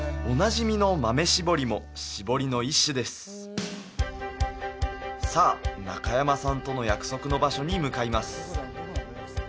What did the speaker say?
おなじみの豆絞りも絞りの一種ですさあ中山さんとの約束の場所に向かいます